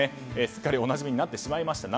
すっかりおなじみになってしまいました。